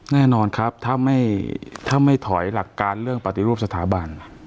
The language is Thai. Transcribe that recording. แน่นอนครับถ้าไม่ถอยหลักการเรื่องปฏิรูปสถาบัน